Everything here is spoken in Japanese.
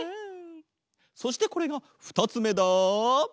そしてこれがふたつめだ。